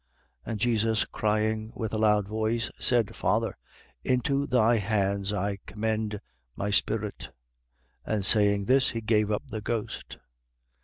23:46. And Jesus crying with a loud voice, said: Father, into thy hands I commend my spirit. And saying this, he gave up the ghost.